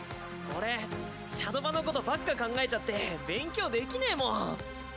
俺シャドバのことばっか考えちゃって勉強できねえもん。